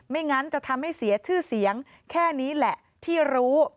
งั้นจะทำให้เสียชื่อเสียงแค่นี้แหละที่รู้